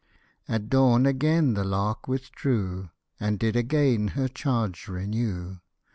At dawn again the lark withdrew, And did again her charge renew.